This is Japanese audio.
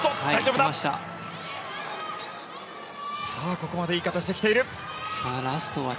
ここまでいい形で来ている。